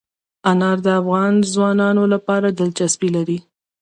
انار د افغان ځوانانو لپاره دلچسپي لري.